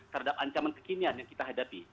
terhadap ancaman kekinian yang kita hadapi